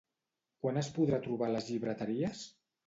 Quan es podrà trobar a les llibreteries?